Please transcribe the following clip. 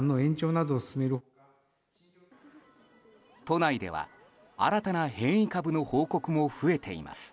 都内では新たな変異株の報告も増えています。